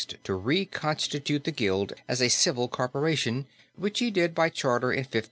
to reconstitute the Guild as a civil corporation, which he did by charter in 1553.